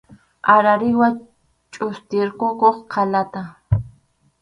Arariwa chʼustirqukuq qʼalata.